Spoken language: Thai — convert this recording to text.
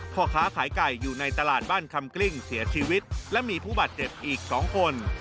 พ่อค้าขายไก่อยู่ในตลาดบ้านคำกลิ้งเสียชีวิตและมีผู้บาดเจ็บอีก๒คน